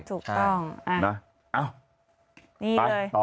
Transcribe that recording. ถูกต้องเอาไปต่อนี่เลย